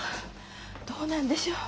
どうなんでしょう。